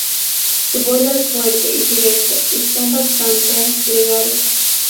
Su vuelo es fuerte y directo, y son bastante gregarios.